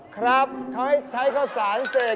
ครับเขาใช้เข้าสารเสก